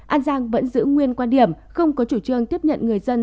an giang vẫn giữ nguyên quan điểm không có chủ trương tiếp nhận người dân